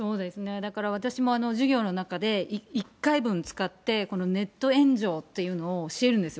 だから、私も授業の中で、１回分使って、このネット炎上というのを教えるんですよ。